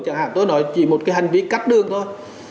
chẳng hạn tôi nói chỉ một hành vi cắt đường thôi